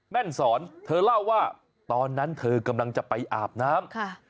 แม่นสอนเธอเล่าว่าตอนนั้นเธอกำลังจะไปอาบน้ำ